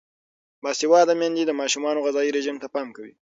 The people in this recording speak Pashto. باسواده میندې د ماشومانو غذايي رژیم ته پام کوي.